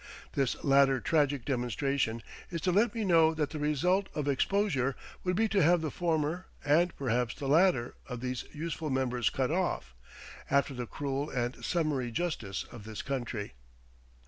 This latter tragic demonstration is to let me know that the result of exposure would be to have the former, and perhaps the latter, of these useful members cut off, after the cruel and summary justice of this country.